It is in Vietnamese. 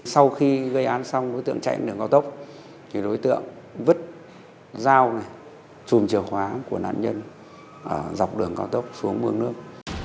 sau khi gây án xong đối tượng chạy đường cao tốc thì đối tượng vứt dao chùm chìa khóa của nạn nhân dọc đường cao tốc xuống mương nước